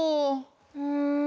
うん。